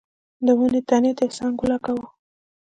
د ونې تنې ته څنګ ولګاوه.